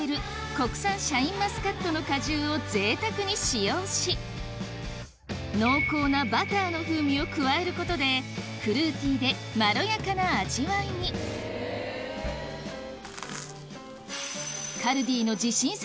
国産シャインマスカットの果汁をぜいたくに使用し濃厚なバターの風味を加えることでフルーティーでまろやかな味わいにカルディの自信作